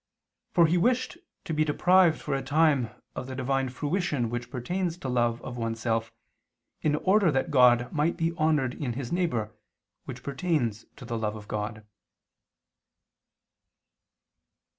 For he wished to be deprived for a time of the Divine fruition which pertains to love of one self, in order that God might be honored in his neighbor, which pertains to the love of God.